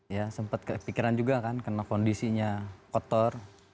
ya sempat kepikiran juga kan karena kondisinya kotor